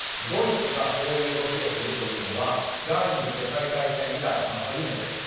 ドイツがこういう動きをするというのは第２次世界大戦以来初めて。